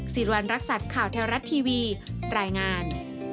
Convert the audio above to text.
สิริวัณรักษัตริย์ข่าวแท้รัฐทีวีรายงาน